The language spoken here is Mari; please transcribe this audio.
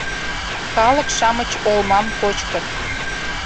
Калык-шамыч олмам кочкыт